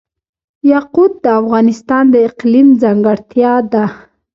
یاقوت د افغانستان د اقلیم ځانګړتیا ده.